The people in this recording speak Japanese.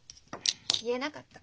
言えなかった。